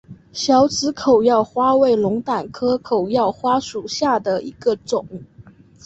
小籽口药花为龙胆科口药花属下的一个种。